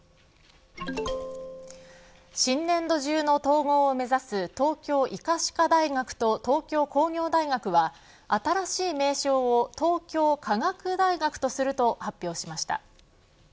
新年度中の統合を目指す東京医科歯科大学と東京工業大学は新しい名称を東京科学大学とすると発表しました。